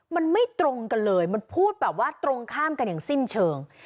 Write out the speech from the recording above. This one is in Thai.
มันไม่ตรงกันเลยมันพูดแบบว่าตรงข้ามกันอย่างสิ้นเชิง